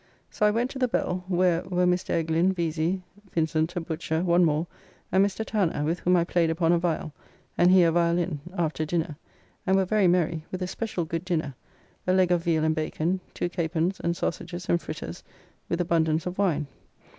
So I went to the Bell, where were Mr. Eglin, Veezy, Vincent a butcher, one more, and Mr. Tanner, with whom I played upon a viall, and he a viallin, after dinner, and were very merry, with a special good dinner, a leg of veal and bacon, two capons and sausages and fritters, with abundance of wine.